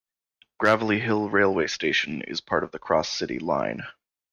Gravelly Hill railway station is part of the Cross-City Line.